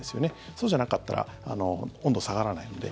そうじゃなかったら温度下がらないので。